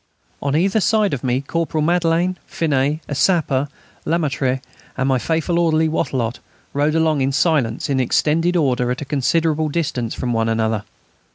On either side of me Corporal Madelaine, Finet, a sapper, Lemaître, and my faithful orderly, Wattrelot, rode along in silence in extended order at a considerable distance from one another.